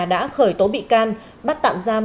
đã khởi tố bị can bắt tạm giam